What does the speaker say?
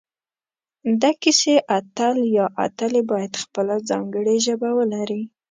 د کیسې اتل یا اتلې باید خپله ځانګړي ژبه ولري